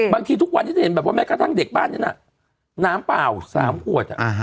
ทุกวันนี้จะเห็นแบบว่าแม้กระทั่งเด็กบ้านนั้นน้ำเปล่า๓ขวด